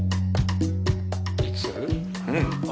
いつ？